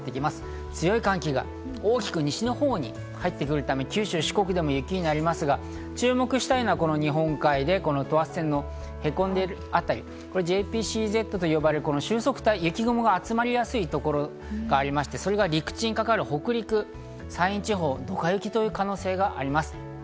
強い寒気が大きく西のほうに入ってくるため、九州、四国でも雪になりますが、注目したいのはこの日本海で、等圧線のへこんでいるあたり、ＪＰＣＺと呼ばれる収束帯、雪雲が集まりやすいところがありまして、それが陸地にかかる北陸、山陰地方、ドカ雪の可能性があります。